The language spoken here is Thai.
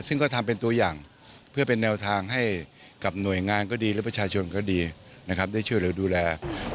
ซึ่งก็ทำเป็นตัวอย่างเพื่อเป็นแนวทางให้กับหน่วยงานก็ดีและประชาชนก็ดีนะครับได้ช่วยเหลือดูแล